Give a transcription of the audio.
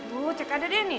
bu cek ada deh nih